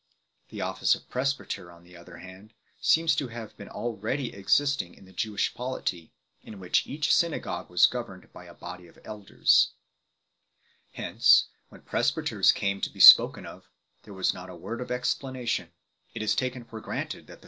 The office of Presbyter on the other hand seems to have been already existing in the Jewish polity, in which each synagogue was governed by a body of elders 7 . Hence, when presbyters come to be spoken of, there is not a word of explanation ; it is taken for granted that the familiar 1 1 Cor. iv. 1. 2 Acts vi. 16. 3 Horn. xii.